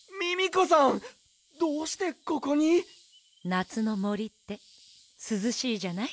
なつのもりってすずしいじゃない。